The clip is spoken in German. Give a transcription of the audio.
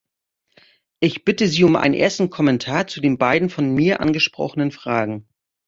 Ich bitte Sie um einen ersten Kommentar zu den beiden von mir angesprochenen Fragen.